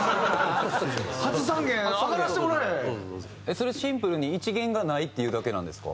それシンプルに１弦がないっていうだけなんですか？